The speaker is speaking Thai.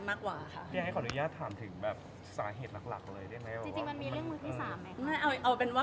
เปิดอะไรอยู่แล้ว